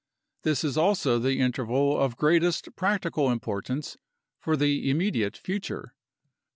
This is also the interval of greatest practical importance for the immediate future.